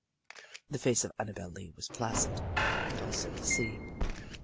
The face of Annabel Lee was placid, and also the sea.